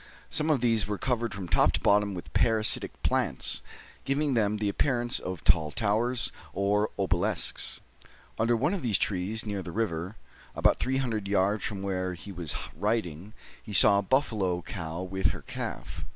Some of these were covered from top to bottom with parasitic plants, giving them the appearance of tall towers or obelisks. Underneath one of these trees, near the river, and about three hundred yards from where he was riding, he saw a buffalo cow with her calf.